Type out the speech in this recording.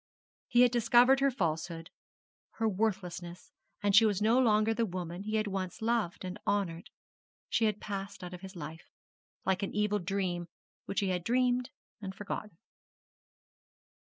He had discovered her falsehood, her worthlessness, and she was no longer the woman he had once loved and honoured. She had passed out of his life, like an evil dream which he had dreamed and forgotten.